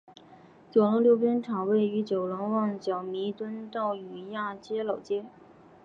九龙溜冰场位于九龙旺角弥敦道与亚皆老街。